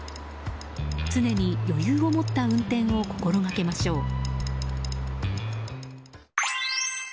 常に余裕を持った運転を心がけましょう。